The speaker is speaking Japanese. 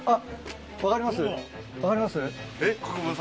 分かります？